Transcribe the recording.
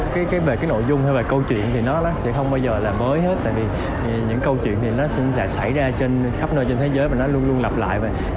tại vì những câu chuyện thì nó sẽ xảy ra trên khắp nơi trên thế giới và nó luôn luôn lặp lại